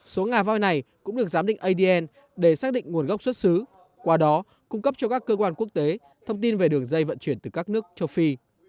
số ngà voi này cũng được giám định adn để xác định nguồn gốc xuất xứ qua đó cung cấp cho các cơ quan quốc tế thông tin về đường dây vận chuyển từ các nước châu phi